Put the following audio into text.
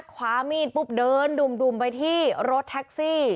คว้ามีดปุ๊บเดินดุ่มไปที่รถแท็กซี่